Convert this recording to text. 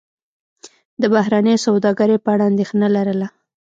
د بهرنۍ سوداګرۍ په اړه اندېښنه لرله.